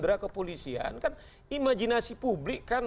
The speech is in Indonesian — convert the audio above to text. gerak kepolisian kan imajinasi publik kan